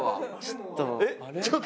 ちょっと。